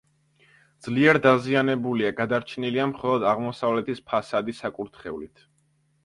ძლიერ დაზიანებულია, გადარჩენილია მხოლოდ აღმოსავლეთის ფასადი საკურთხევლით.